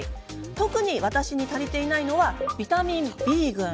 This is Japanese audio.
特に私に足りていないのはビタミンＢ群。